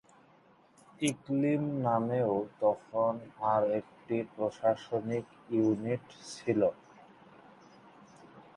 ইকলিম নামেও তখন আর একটি প্রশাসনিক ইউনিট ছিল।